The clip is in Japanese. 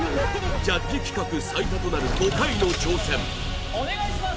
ジャッジ企画最多となるお願いします